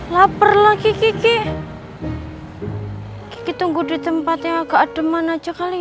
lapar lagi kiki kita tunggu di tempat yang agak demam aja kali ya